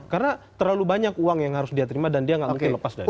karena terlalu banyak uang yang harus dia terima dan dia nggak mungkin lepas dari itu